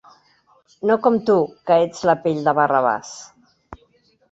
No com tu, que ets la pell de Barrabàs...